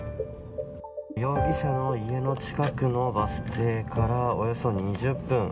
容疑者の家の近くのバス停からおよそ２０分。